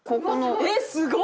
えっすごっ！